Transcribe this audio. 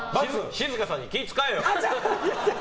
静香さんに気を遣えよ！